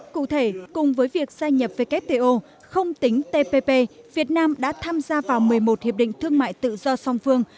cụ thể cùng với việc gia nhập wto không tính tpp việt nam đã tham gia vào một mươi một hiệp định thương mại tự do song phương